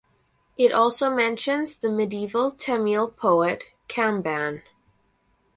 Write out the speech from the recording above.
It also mentions the medieval Tamil poet Kamban.